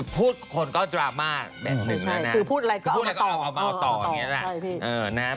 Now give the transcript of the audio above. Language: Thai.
พูดคนก็ดราม่าแบบหนึ่งนะนะพูดอะไรก็เอามาต่อ